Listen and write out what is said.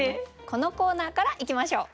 このコーナーからいきましょう。